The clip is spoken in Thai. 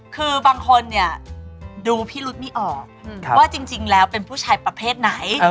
คือบางคนเนี่ยดูพิรุษไม่ออกว่าจริงแล้วเป็นผู้ชายประเภทไหน